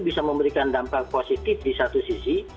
bisa memberikan dampak positif di satu sisi